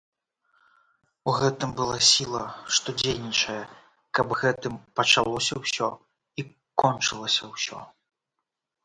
У гэтым была сіла, што дзейнічае, каб гэтым пачалося ўсё і кончылася ўсё.